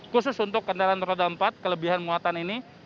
khusus untuk kendaraan roda empat kelebihan muatan ini